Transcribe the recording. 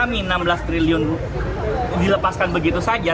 rampok uang kami enam belas triliun dilepaskan begitu saja